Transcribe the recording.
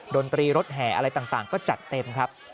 ดนตรีรถแห่อะไรต่างก็จัดเต็มครับ